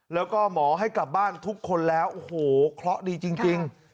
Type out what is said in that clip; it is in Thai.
แล้วก็หมอให้กลับบ้านทุกคนแล้วโอ้โหเคราะห์ดีจริง